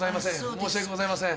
申し訳ございません。